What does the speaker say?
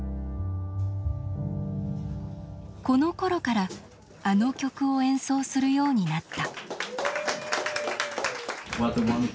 このころからあの曲を演奏するようになった。